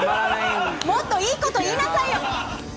もっといいこと言いなさいよ。